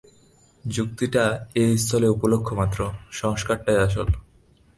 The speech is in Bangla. যুক্তিটা এ স্থলে উপলক্ষ মাত্র, সংস্কারটাই আসল।